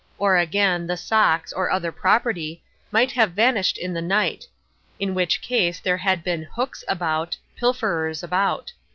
Or again, the socks (or other property) might have vanished in the night in which case there had been "hooks about" (pilferers about).